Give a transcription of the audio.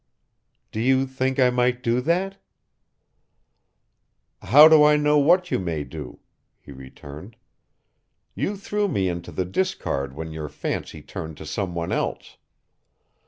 "Do you think I might do that?" "How do I know what you may do?" he returned. "You threw me into the discard when your fancy turned to some one else.